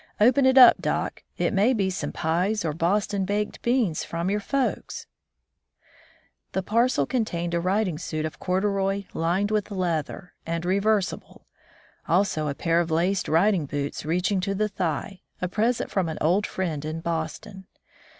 Open it up, doc ; it may be some pies or Boston baked beans from your folks 1" The parcel contained a riding suit of corduroy lined with leather, and reversible, also a pair of laced riding boots reaching to the thigh, a present from an old friend in Boston.